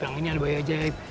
kang ini ada bayi ajaib